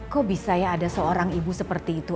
kok bisa ya ada seorang ibu seperti itu